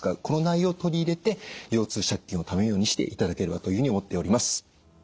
この内容を取り入れて腰痛借金をためないようにしていただければというふうに思っております。